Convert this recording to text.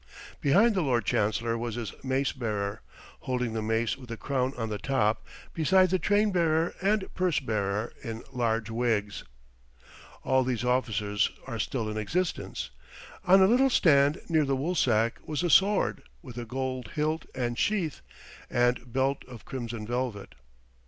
Behind the Lord Chancellor was his mace bearer, holding the mace with the crown on the top, besides the train bearer and purse bearer, in large wigs. All these officers are still in existence. On a little stand, near the woolsack, was a sword, with a gold hilt and sheath, and belt of crimson velvet.